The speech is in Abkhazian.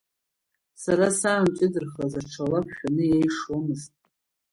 Сара саамҷыдарахаз аҽа лак шәаны еишуамызт.